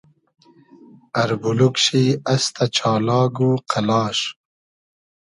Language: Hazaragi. اربولوگ شی استۂ چالاگ و قئلاش